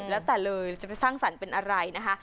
แล้วแต่เลยจะไปสร้างสรรค์เป็นอะไรนะคะ